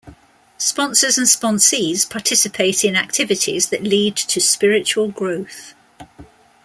Sponsors and sponsees participate in activities that lead to spiritual growth.